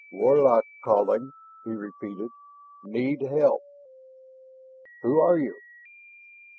"Warlock calling " he repeated. "Need help " "Who are you?"